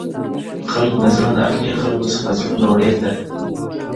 • خلگو نه زړونه اخلې خلگو څخه زړونه وړې ته؛